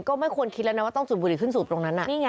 ก็ไม่ควรคิดแล้วนะว่าต้องสูบบุหรี่ขึ้นสูบตรงนั้น